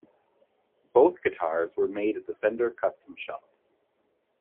Both guitars were made at the Fender Custom Shop.